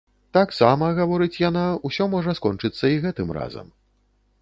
Таксама, гаворыць яна, усё можа скончыцца і гэтым разам.